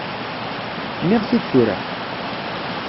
Nniɣ-t-id tura?